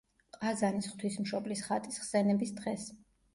ყაზანის ღვთისმშობლის ხატის ხსენების დღეს.